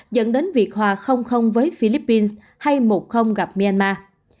dẫn đến việc hòa với philippines hay một gặp myanmar